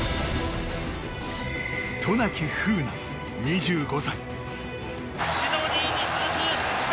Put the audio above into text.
渡名喜風南、２５歳。